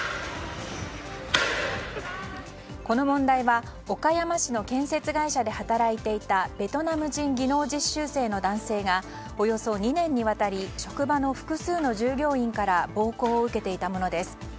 この問題は岡山市の建設会社で働いていたベトナム人技能実習生の男性がおよそ２年にわたり職場の複数の従業員から暴行を受けていたものです。